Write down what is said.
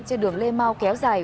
trên đường lê mau kéo dài